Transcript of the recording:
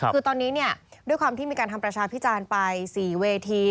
คือตอนนี้ด้วยความที่มีการทำประชาพิจารณ์ไป๔เวที